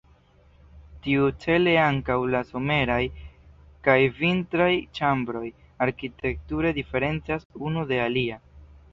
Tiu-cele ankaŭ la someraj kaj vintraj ĉambroj arkitekture diferencas unu de la alia.